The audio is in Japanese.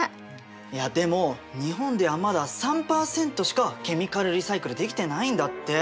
いやでも日本ではまだ３％しかケミカルリサイクルできてないんだって。